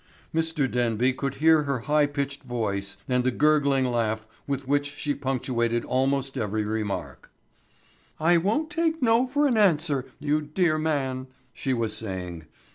Mr. Denby could hear her high pitched voice and the gurgling laugh with which she punctuated almost every remark. "I won't take 'no' for an answer, you dear man," she was saying.